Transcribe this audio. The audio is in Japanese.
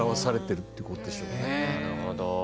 なるほど。